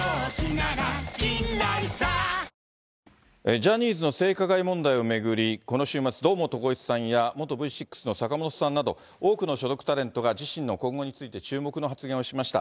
ジャニーズの性加害問題を巡り、この週末、堂本光一さんや元Ｖ６の坂本さんなど、多くの所属タレントが自身の今後について注目の発言をしました。